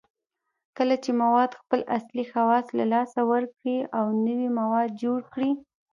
کله چې مواد خپل اصلي خواص له لاسه ورکړي او نوي مواد جوړ کړي